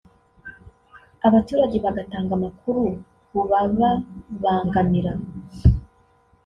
abaturage bagatanga amakuru kubababangamira